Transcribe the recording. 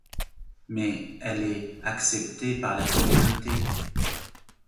Mais elle est acceptée par la communauté.